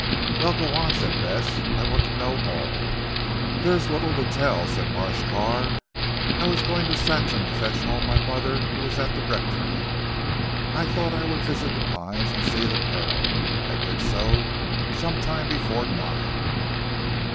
"Well go on," said Bess, "I want to know all." "There is little to tell," said Marsh Carr. "I was going to Saxham to fetch home my mother who was at the rectory. I thought I would visit 'The Pines' and see the Colonel. I did so, some time before nine."